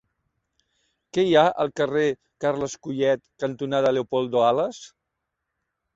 Què hi ha al carrer Carles Collet cantonada Leopoldo Alas?